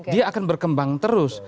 dia akan berkembang terus